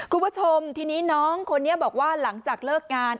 คุณผู้ชมทีนี้น้องคนนี้บอกว่าหลังจากเลิกงาน